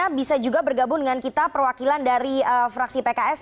karena bisa juga bergabung dengan kita perwakilan dari fraksi pks